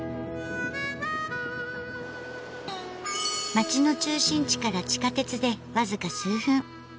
街の中心地から地下鉄で僅か数分。